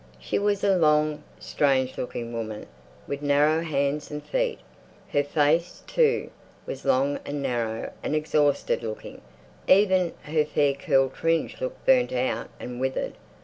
She was a long, strange looking woman with narrow hands and feet. Her face, too, was long and narrow and exhausted looking; even her fair curled fringe looked burnt out and withered.